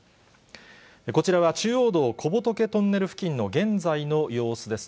こちらは中央道小仏トンネル付近の現在の様子です。